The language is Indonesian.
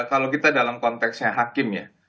kalau kita dalam konteksnya hakim ya